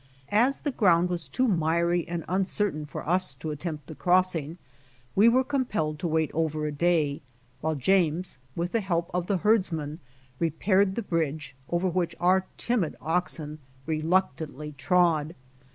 As the ground was too miry and uncertain for us to attempt the crossing, we were com pelled to wait over a day, until James with the help of the herdsman repaired the bridge, over which our timid oxen reluctantly trod.